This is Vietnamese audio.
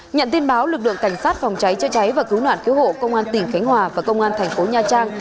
nhận tin báo lực lượng cảnh sát phòng cháy chữa cháy và cứu nạn cứu hộ công an tỉnh khánh hòa và công an thành phố nha trang